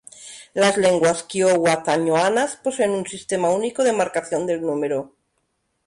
Las lenguas kiowa-tañoanas poseen un sistema único de marcación del número.